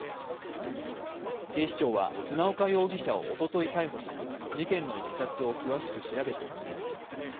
警視庁は船岡容疑者をおととい逮捕し、事件のいきさつを詳しく調べています。